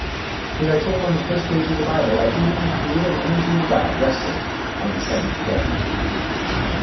We are told on the first page of the Bible that even the Creative Energy of God rested on the "seventh day."